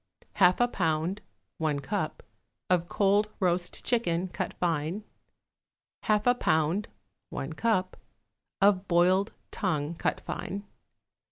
1/2 a pound (1 cup) of cold roast chicken, cut fine. 1/2 a pound (1 cup) of boiled tongue, cut fine.